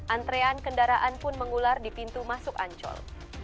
antrean kendaraan pun mengular di pintu masuk ancol